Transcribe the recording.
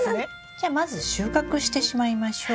じゃあまず収穫してしまいましょう。